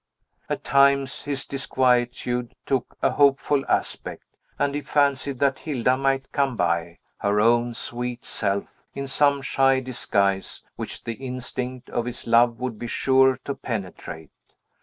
At times his disquietude took a hopeful aspect; and he fancied that Hilda might come by, her own sweet self, in some shy disguise which the instinct Of his love would be sure to penetrate.